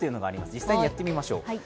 実際にやってみましょう。